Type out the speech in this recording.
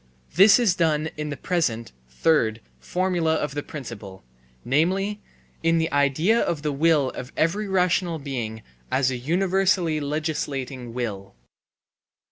This is done in the present (third) formula of the principle, namely, in the idea of the will of every rational being as a universally legislating will.